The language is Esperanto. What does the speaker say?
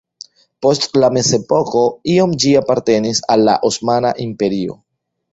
Post la mezepoko iom ĝi apartenis al la Osmana Imperio.